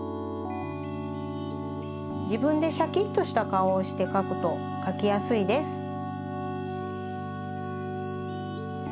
じぶんでシャキッとした顔をして描くと描きやすいです。